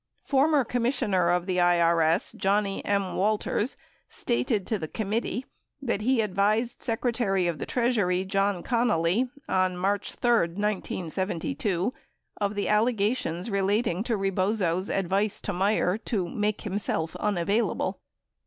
Former Commissioner of IRS Johnnie M. Walters stated to the com mittee that he advised Secretary of the Treasury, John Connally, on March 3, 1972, of the allegations relating to Rebozo's advice to Meier to "make himself unavailable."